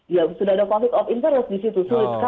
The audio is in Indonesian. ya sudah ada konflik of interest di situ